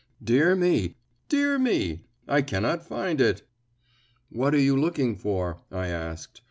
Dear me, dear me I cannot find it!" "What are you looking for?" I asked.